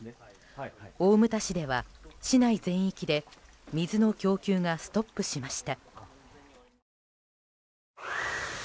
大牟田市では、市内全域で水の供給がストップしました。